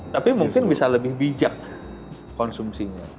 tapi mungkin bisa lebih bijak konsumsinya